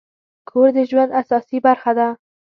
کور د ژوند اساسي برخه ده.